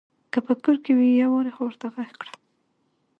که په کور کې وي يوارې خو ورته غږ کړه !